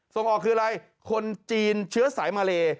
ส่งออกคืออะไรคนจีนเชื้อสายมาเล